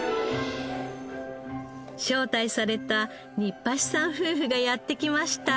招待された新橋さん夫婦がやって来ました。